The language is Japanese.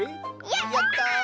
やった！